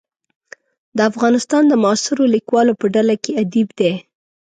د افغانستان د معاصرو لیکوالو په ډله کې ادیب دی.